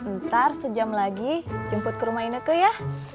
ntar sejam lagi jemput ke rumah ineko ya